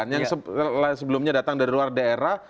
yang sebelumnya datang dari luar daerah